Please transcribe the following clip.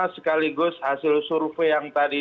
sekaligus hasil survei yang tadi